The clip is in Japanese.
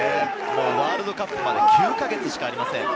ワールドカップまで９か月しかありません。